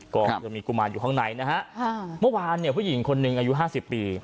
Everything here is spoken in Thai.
ก็จะมีกุมารอยู่ข้างในนะฮะเมื่อวานเนี่ยผู้หญิงคนหนึ่งอายุห้าสิบปี